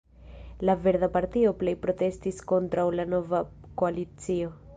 La Verda Partio plej protestis kontraŭ la nova koalicio.